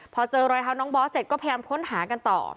พอเจอรอยเท้าน้องบอสเสร็จก็พยายามค้นหากันต่อ